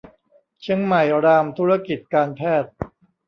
เชียงใหม่รามธุรกิจการแพทย์